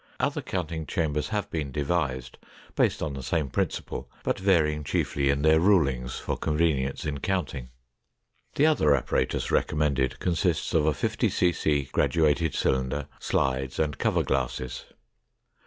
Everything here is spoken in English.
Other counting chambers have been devised based on the same principle, but varying chiefly in their rulings for convenience in counting. The other apparatus recommended consists of a 50 cc graduated cylinder, slides, and cover glasses.